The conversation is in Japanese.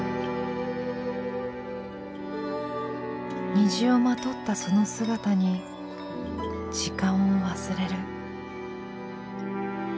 虹をまとったその姿に時間を忘れる。